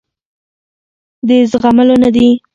د زغملو نه دي.